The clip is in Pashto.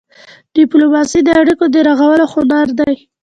ډيپلوماسي د اړیکو د رغولو هنر دی.